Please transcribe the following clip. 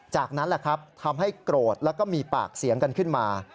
จากนั้นแหละครับทำให้โกรธแล้วก็มีปากเสียงกันขึ้นมา